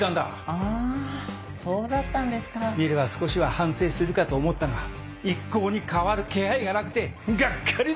あぁそうだったんですか。見れば少しは反省するかと思ったが一向に変わる気配がなくてがっかりだよ。